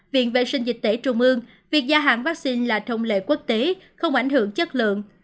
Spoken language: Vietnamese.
viện vệ sinh dịch tễ trung ương việc gia hạn vaccine là thông lệ quốc tế không ảnh hưởng chất lượng